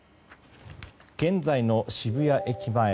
現在の渋谷駅前。